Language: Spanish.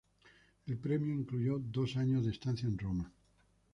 El Premio incluyó dos años de estancia en Roma.